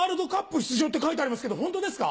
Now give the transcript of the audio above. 出場って書いてありますけどホントですか？